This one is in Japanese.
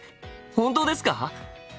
本当ですか！？